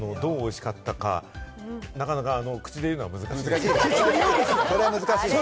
どうおいしかったか、なかなか口で言うのは難しいんですけれども。